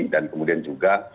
dan kemudian juga